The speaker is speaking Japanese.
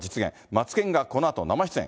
マツケンがこのあと生出演。